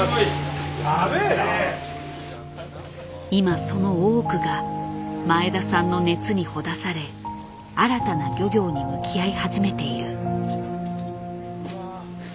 今その多くが前田さんの熱にほだされ新たな漁業に向き合い始めている。